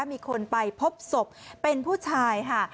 มีคนไปพบศพเป็นผู้ชายค่ะ